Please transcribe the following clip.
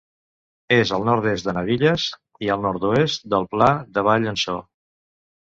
És al nord-est de Nabilles i al nord-oest del Pla de Vall en So.